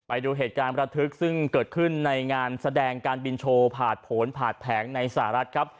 ไปดูเหตุการณ์ประทึกซึ่งเกิดขึ้นในงานแสดงการบินโชว์ผ่านผลผ่านแผงในสหรัฐครับ